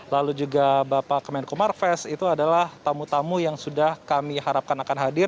lalu juga bapak kemenko marves itu adalah tamu tamu yang sudah kami harapkan akan hadir